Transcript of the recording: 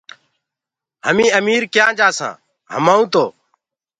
همينٚ اميٚر ڪِيآنٚ جآسآنٚ همآئونٚ تو